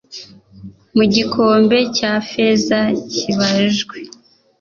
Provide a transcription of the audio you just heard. Mu gikombe cya feza kibajwe